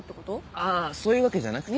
あそういうわけじゃなくて。